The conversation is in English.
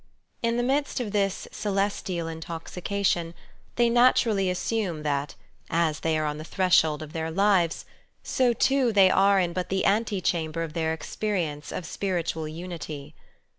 In the midst of this celestial intoxication they naturally assume that, as they are on the threshold of their lives, so too they are in but the ante chamber of their experience of spiritual unity.